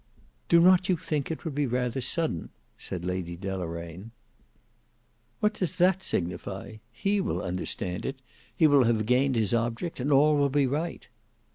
"Do not you think it would be rather sudden?" said Lady Deloraine. "What does that signify? He will understand it; he will have gained his object; and all will be right."